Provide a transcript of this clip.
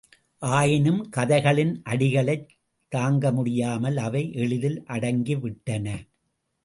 ஆயினும், கதைகளின் அடிகளைத் தாங்கமுடியாமல், அவை எளிதில் அடங்கிவிட்டன.